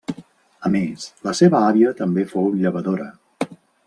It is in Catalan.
A més, la seva àvia també fou llevadora.